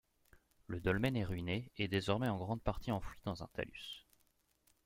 Le dolmen est ruiné et désormais en grande partie enfoui dans un talus.